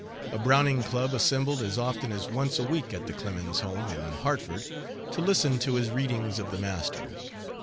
A Browning club assembled as often as once a week at the Clemens home in Hartford to listen to his readings of the master.